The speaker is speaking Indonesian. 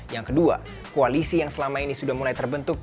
yang kedua koalisi yang selama ini sudah mulai terbentuk